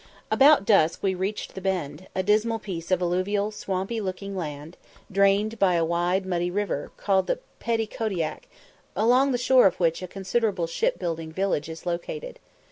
About dusk we reached the Bend, a dismal piece of alluvial swampy looking land, drained by a wide, muddy river, called the Petticodiac, along the shore of which a considerable shipbuilding village is located.